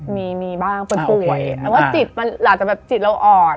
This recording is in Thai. มีบ้างเปิดป่วยแต่ว่าจิตมันหลักจะแบบจิตเราอ่อน